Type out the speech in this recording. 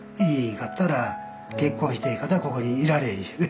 んかったら結婚してへんかったらここにいられへんしね。